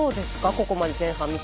ここまで前半見て。